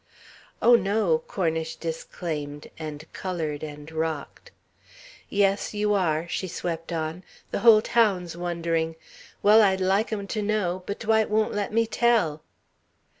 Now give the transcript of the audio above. "Oh, no," Cornish disclaimed, and coloured and rocked. "Yes, you are," she swept on. "The whole town's wondering. Well, I'd like 'em to know, but Dwight won't let me tell."